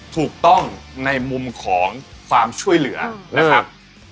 ถูกต้องในมุมของความช่วยเหลือนะครับ